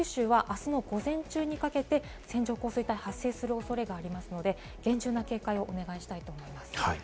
奄美はきょうの日中にかけて、そして九州はあすの午前中にかけて線状降水帯が発生する恐れがありますので、厳重な警戒をお願いしたいと思います。